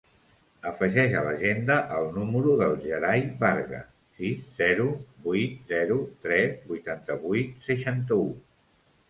Afegeix a l'agenda el número del Gerai Varga: sis, zero, vuit, zero, tres, vuitanta-vuit, seixanta-u.